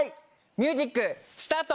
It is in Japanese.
ミュージックスタート！